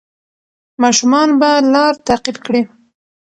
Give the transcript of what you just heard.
ماشومان به لار تعقیب کړي.